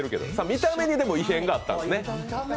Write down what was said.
見た目に異変があったんですね。